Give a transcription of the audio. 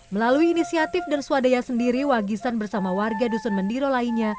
melalui inisiatif dan swadaya sendiri wagisan bersama warga dusun mendiro lainnya